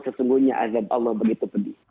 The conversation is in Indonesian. sesungguhnya azab allah begitu pedih